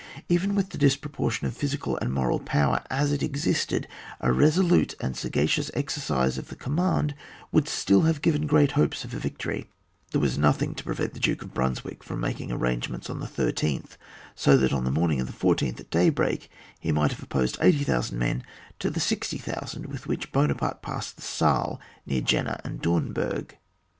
Even with the disproportion of physical and moral power as it existed, a resolute and sagacious exercise of the command would still have given gpreat hopes of a victory. There was nothing to prevent the Duke of Brunswick from making arrangements on the 13th, so that on the morning of the 14th, at day break, he might have opposed 80,000 men to the 60,000 with wluch Buonaparte passed the Saal, near Jena and Domburg.